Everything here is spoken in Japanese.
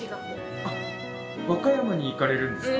和歌山に行かれるんですか？